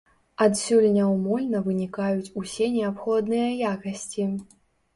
Адсюль няўмольна вынікаюць усе неабходныя якасці.